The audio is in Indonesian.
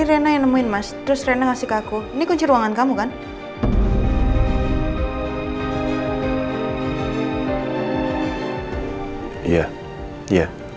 renai nemin mas terus raine ngasih ke aku ini kunci ruangan kamu kan iya iya